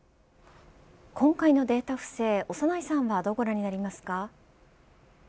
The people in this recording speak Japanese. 今回のデータ不正、長内さんはどうご覧になりますか。